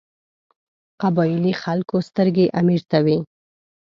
قبایلي خلکو سترګې امیر ته وې.